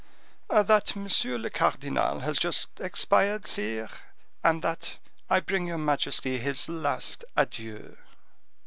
"That monsieur le cardinal has just expired, sire; and that I bring your majesty his last adieu."